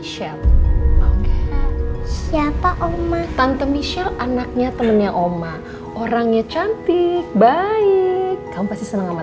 siapa omah tante michelle anaknya temennya oma orangnya cantik baik kamu pasti senang sama